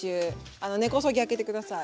あの根こそぎ開けて下さい。